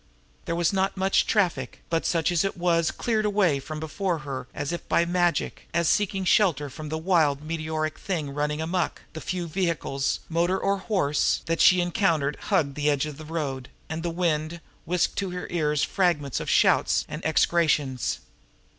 There was not much traffic, but such as there was it cleared away from before her as if by magic, as, seeking shelter from the wild meteoric thing running amuck, the few vehicles, motor or horse, that she encountered hugged; the edge of the road, and the wind whisked to her ears fragments of shouts and execrations.